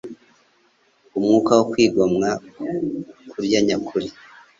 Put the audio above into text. Umwuka wo kwigomwa kurya nyakuri